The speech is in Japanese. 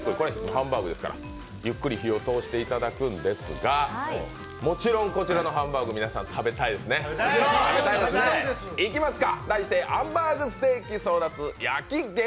ハンバーグですからゆっくり火を通していただくんですが、もちろん、こちらのハンバーグ皆さん、食べたいですねいきますか。